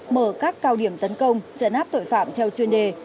mở các cao điểm tấn công chấn áp tội phạm theo chuyên đề